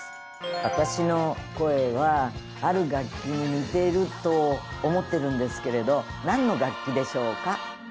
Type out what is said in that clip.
私の声はある楽器に似ていると思ってるんですけれど何の楽器でしょうか？